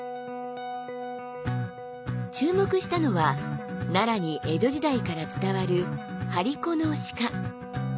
注目したのは奈良に江戸時代から伝わる張り子の鹿。